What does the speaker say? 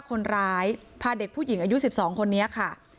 คนร้ายพาเด็กผู้หญิงอายุ๑๒คนนี้ค่ะ